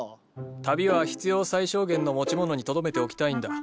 旅は必要最小限の持ち物にとどめておきたいんだ。